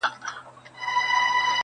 ستـا د سونډو رنگ.